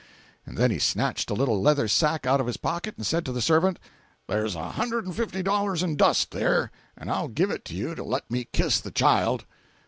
And then he snatched a little leather sack out of his pocket and said to the servant: "There's a hundred and fifty dollars in dust, there, and I'll give it to you to let me kiss the child!"